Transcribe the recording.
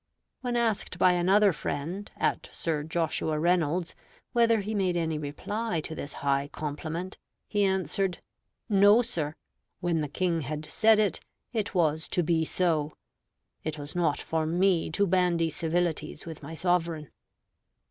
When asked by another friend, at Sir Joshua Reynolds's, whether he made any reply to this high compliment, he answered, "No, sir. When the King had said it, it was to be so. It was not for me to bandy civilities with my Sovereign."